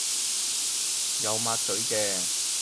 有抹嘴嘅